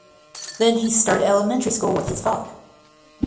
Then he started elementary school with his father.